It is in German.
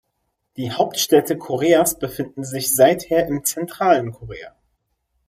Die Hauptstädte Koreas befinden sich seither im zentralen Korea.